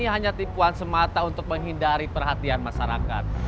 hanya tipuan semata untuk menghindari perhatian masyarakat